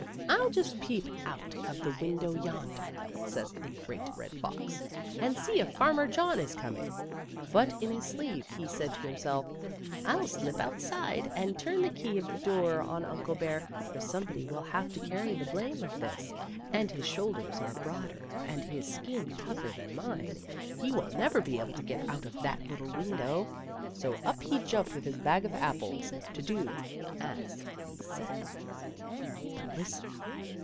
" ril just peep out of the window yonder," says the Great Red Fox, "and see if Farmer John is coming." But in his sleeve he said to himself, " I'll slip outside and turn the key of the door on Uncle Bear, for somebody will have to carry the blame of this, and his shoulders are broader and his skin tougher than mine; he will never be able to get out of that little window.'* So up he jumped with his bag of apples, to do as he said. But listen